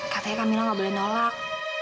katanya camilla gak boleh nolak